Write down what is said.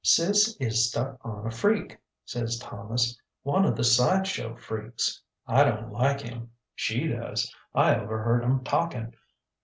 ŌĆ£ŌĆśSis is stuck on a freak, ŌĆÖ says Thomas, ŌĆśone of the side show freaks. I donŌĆÖt like him. She does. I overheard ŌĆÖem talking.